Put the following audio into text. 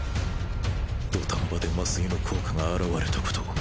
土壇場で麻酔の効果が表れたこと！